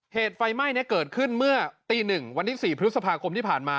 เหตุไฟไหม้เนี้ยเกิดขึ้นเมื่อตีหนึ่งวันที่สี่พฤษภาคมที่ผ่านมา